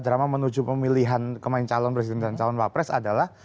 drama menuju pemilihan pemain calon presiden dan calon wapres adalah